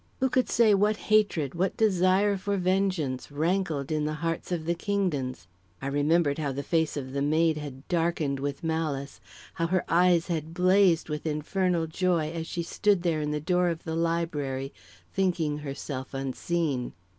Who could say what hatred, what desire for vengeance, rankled in the hearts of the Kingdons? I remembered how the face of the maid had darkened with malice, how her eyes had blazed with infernal joy, as she stood there in the door of the library, thinking herself unseen.